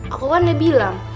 aku kan udah bilang